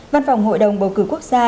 văn phòng hội đồng bầu cử quốc gia